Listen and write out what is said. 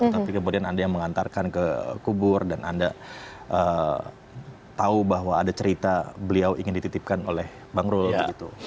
tapi kemudian anda yang mengantarkan ke kubur dan anda tahu bahwa ada cerita beliau ingin dititipkan oleh bang rul begitu